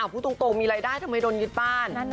พูดตรงทำไมโดนยึดบ้าน